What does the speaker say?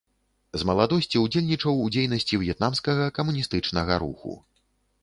З маладосці ўдзельнічаў у дзейнасці в'етнамскага камуністычнага руху.